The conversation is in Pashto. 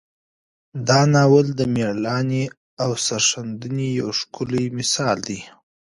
دا ناول د میړانې او سرښندنې یو ښکلی مثال دی.